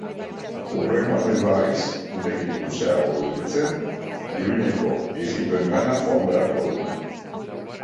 Hurrengoan ez bahaiz nirekin luzeago gelditzen, Iruñe-ko ijitoengana joan beharko dun.